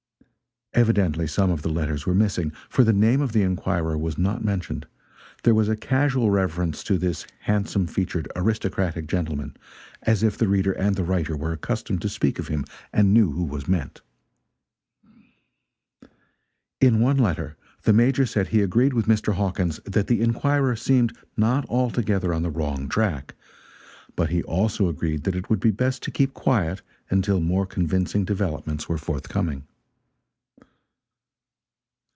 Evidently some of the letters were missing, for the name of the inquirer was not mentioned; there was a casual reference to "this handsome featured aristocratic gentleman," as if the reader and the writer were accustomed to speak of him and knew who was meant. In one letter the Major said he agreed with Mr. Hawkins that the inquirer seemed not altogether on the wrong track; but he also agreed that it would be best to keep quiet until more convincing developments were forthcoming.